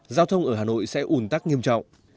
giao thông ở hà nội sẽ ủn tắc nghiêm trọng